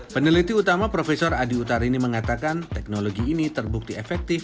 peneliti utama prof adi utarini mengatakan teknologi ini terbukti efektif